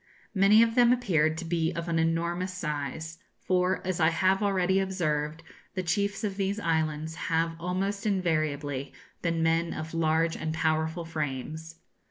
Many of them appeared to be of an enormous size; for, as I have already observed, the chiefs of these islands have almost invariably been men of large and powerful frames.